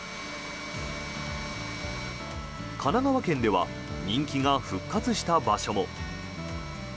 神奈川県では人気が復活した場所も。